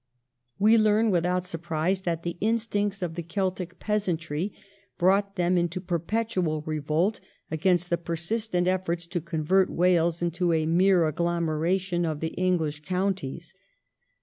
We learn without surprise that the instincts of the Celtic peasantry brought them into perpetual revolt against the persistent efforts to convert Wales into a mere agglomeration of the English counties.